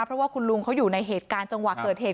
เพราะว่าคุณลุงเขาอยู่ในเหตุการณ์จังหวะเกิดเหตุ